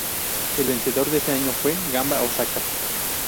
El vencedor de ese año fue Gamba Osaka.